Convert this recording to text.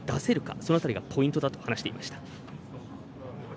その辺りがポイントだと話していました。